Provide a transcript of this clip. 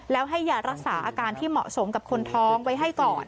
แล้วให้ยารักษาอาการที่เหมาะสมกับคนท้องไว้ให้ก่อน